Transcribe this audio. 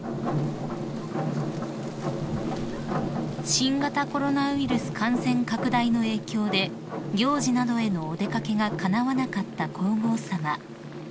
［新型コロナウイルス感染拡大の影響で行事などへのお出掛けがかなわなかった皇后さま］